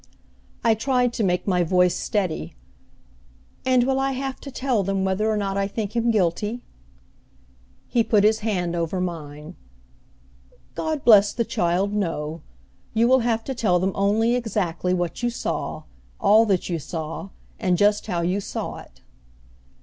I tried to make my voice steady. "And will I have to tell them whether or not I think him guilty?" He put his hand over mine. "God bless the child, no! You will have to tell them only exactly what you saw, all that you saw, and just how you saw it."